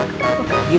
gimana tuh gust